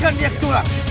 lepaskan dia kecuali